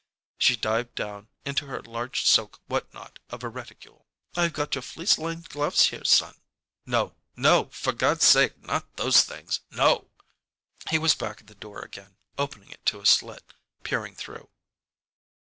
She dived down into her large silk what not of a reticule. "I've got your fleece lined gloves here, son." "No no! For God's sake not those things! No!" He was back at the door again, opening it to a slit, peering through.